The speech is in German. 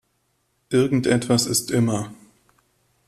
Irgendetwas ist immer.